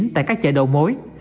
tại các chợ đầu mối